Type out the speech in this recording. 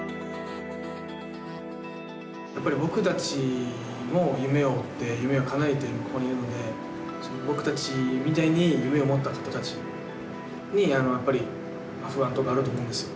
やっぱり僕たちも夢を追って夢をかなえてここにいるので僕たちみたいに夢を持った方たちにやっぱり不安とかあると思うんですよ。